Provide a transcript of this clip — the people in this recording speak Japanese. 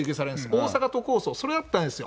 大阪都構想、それやったんですよ。